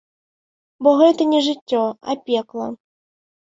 Бо гэта не жыццё, а пекла.